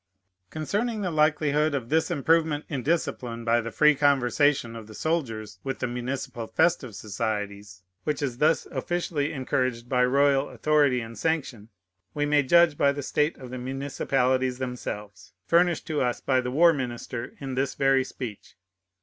Concerning the likelihood of this improvement in discipline by the free conversation of the soldiers with the municipal festive societies, which is thus officially encouraged by royal authority and sanction, we may judge by the state of the municipalities themselves, furnished to us by the war minister in this very speech.